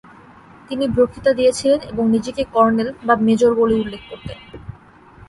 তিনি বক্তৃতা দিয়েছিলেন এবং নিজেকে ‘কর্নেল’ বা ‘মেজর’ বলে উল্লেখ করতেন।